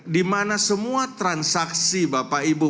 di mana semua transaksi bapak ibu